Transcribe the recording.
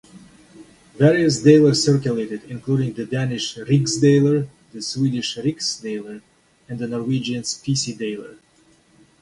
Various daler circulated, including the Danish rigsdaler, the Swedish riksdaler and the Norwegian speciedaler.